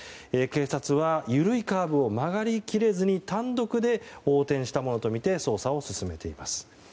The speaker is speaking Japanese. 警察は緩いカーブを曲がりきれずに単独で横転したものとみて捜査を進めています。